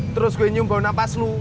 terus gue nyumbau nafas lu